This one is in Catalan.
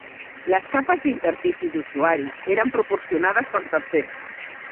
Les capes d'interfície d'usuari eren proporcionades per tercers.